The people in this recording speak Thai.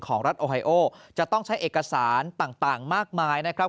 รัฐโอไฮโอจะต้องใช้เอกสารต่างมากมายนะครับ